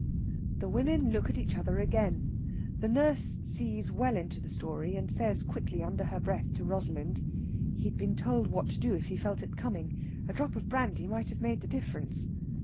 The women look at each other again. The nurse sees well into the story, and says quickly under her breath to Rosalind: "He'd been told what to do if he felt it coming. A drop of brandy might have made the difference."